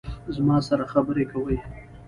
زما سره خبرې کوي